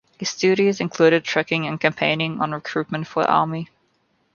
His duties included trekking and campaigning on recruitment for the army.